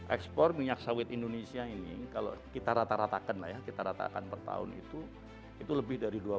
ekspor minyak sawit indonesia ini kalau kita ratakan per tahun itu lebih dari dua puluh triliun